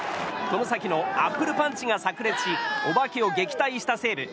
この先もアップルパンチがさく裂しお化けを撃退した西武。